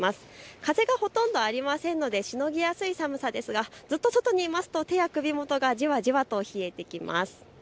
風がほとんどありませんのでしのぎやすい寒さですがずっと外にいますと手や口元がじわじわと冷えてきます。